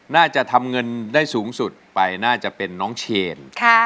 น่าจะทำเงินได้สูงสุดไปน่าจะเป็นน้องเชน